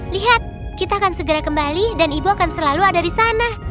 lihat kita akan segera kembali dan ibu akan selalu ada di sana